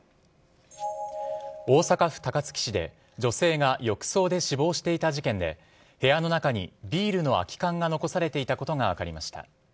大阪府高槻市で女性が浴槽で死亡していた事件で部屋の中にビールの空き缶が残されていたことが分かりました。